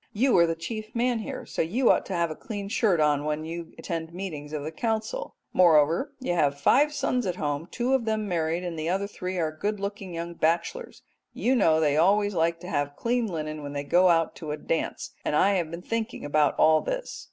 You are the chief man here, so you ought to have a clean shirt on when you attend meetings of the Council. Moreover, you have five sons at home, two of them married and the other three are good looking young bachelors; you know they always like to have clean linen when they go out to a dance, and I have been thinking about all this.'"